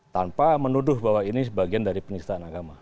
tanpa menuduh bahwa ini sebagian dari penistaan agama